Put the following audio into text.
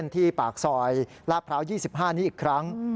ที่ปากซอยลาดพร้าว๒๕นี้อีกครั้ง